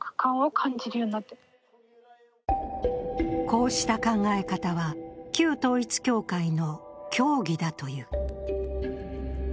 こうした考え方は旧統一教会の教義だという。